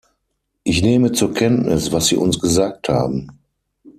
Ich nehme zur Kenntnis, was Sie uns gesagt haben.